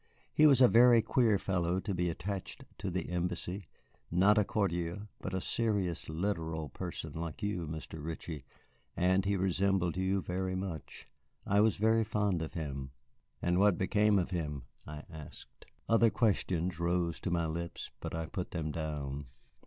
He was a very queer person to be attached to the Embassy, not a courtier, but a serious, literal person like you, Mr. Ritchie, and he resembled you very much. I was very fond of him." "And what became of him?" I asked. Other questions rose to my lips, but I put them down.